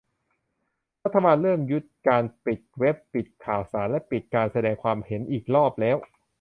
รัฐบาลเริ่มยุทธการปิดเว็บปิดข่าวสารและปิดการแสดงความเห็นอีกรอบแล้ว